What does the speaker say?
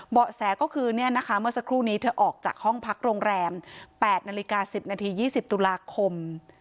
แสก็คือเมื่อสักครู่นี้เธอออกจากห้องพักโรงแรม๘นาฬิกา๑๐นาที๒๐ตุลาคม